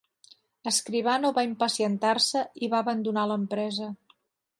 Escribano va impacientar-se i va abandonar l'empresa.